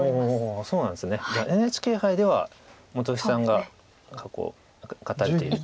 じゃあＮＨＫ杯では本木さんが過去勝たれていると。